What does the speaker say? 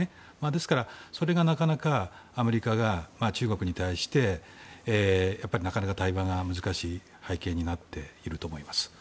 ですから、それがなかなかアメリカが中国に対してなかなか対話が難しい背景になっていると思います。